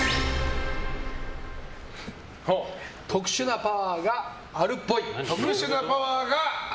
特殊なパワーがあるっぽい。